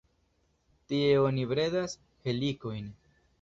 Tie oni bredas helikojn.